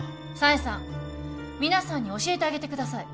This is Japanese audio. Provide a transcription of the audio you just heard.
紗英さん皆さんに教えてあげてください。